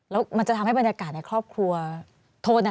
แล้วมันจะทำให้บรรยากาศในครอบครัวโทษนะ